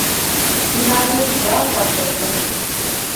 Ӱнарем ялтак пытен...